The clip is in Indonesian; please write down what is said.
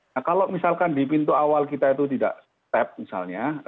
nah kalau misalkan di pintu awal kita itu tidak step misalnya